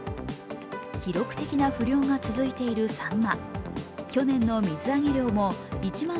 記録的な不漁が続いているさんま。